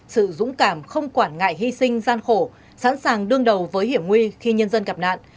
sự dũng cảm không quản ngại hy sinh gian khổ sẵn sàng đương đầu với hiểm nguy khi nhân dân gặp nạn